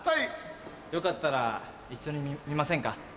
よかったら一緒に見ませんか？